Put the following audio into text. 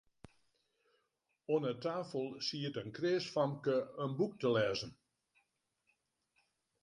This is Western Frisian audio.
Oan 'e tafel siet in kreas famke in boek te lêzen.